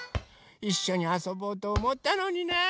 いっしょにあそぼうとおもったのにな。